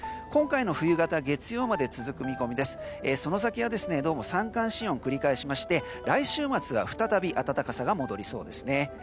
今回の冬型月曜まで続く見込みでその先は三寒四温繰り返して来週末は再び暖かさが戻りそうですね。